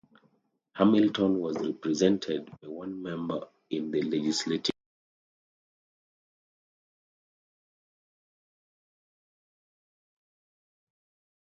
Hamilton was represented by one member in the Legislative Assembly.